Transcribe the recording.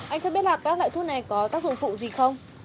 anh cho biết là các loại thuốc này có tác dụng phụ gì không